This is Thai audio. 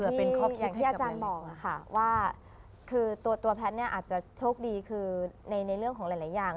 อย่างที่อาจารย์บอกค่ะว่าคือตัวแพทย์เนี่ยอาจจะโชคดีคือในเรื่องของหลายอย่าง